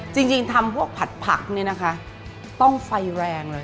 จริงทำพวกผัดผักนี่นะคะต้องไฟแรงเลย